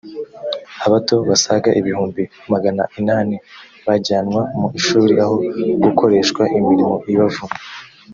abato basaga ibihumbi magana inani bajyanwa mu ishuri aho gukoreshwa imirimo ibavuna